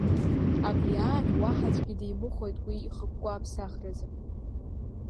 Абри аан уаҳа аӡәгьы димыхәеит уи ихықәкы аԥсахразы.